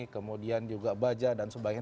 kemudian juga baja dan sebagainya